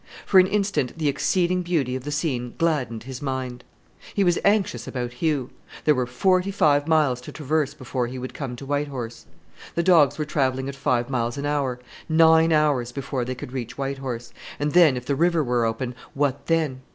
For an instant the exceeding beauty of the scene gladdened his mind. He was anxious about Hugh. There were forty five miles to traverse before he would come to White Horse. The dogs were travelling at five miles an hour: nine hours before he could reach White Horse; and then, if the river were open, what then?